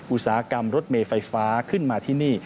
อุตสาหกรรมรถเมย์ไฟฟ้าขึ้นมาที่นี่